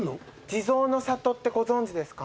地蔵の郷ってご存じですか？